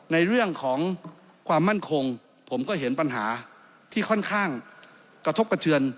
ในเรื่องของความมั่นคงผมก็เห็นปัญหาที่ค่อนข้างกระทบกระเทือน